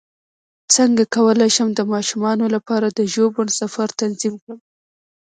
څنګه کولی شم د ماشومانو لپاره د ژوبڼ سفر تنظیم کړم